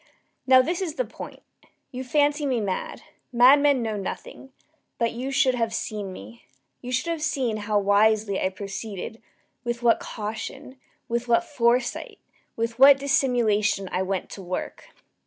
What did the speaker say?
Now this is the point. You fancy me mad. Madmen know nothing. But you should have seen me. You should have seen how wisely I proceeded with what caution with what foresight with what dissimulation I went to work!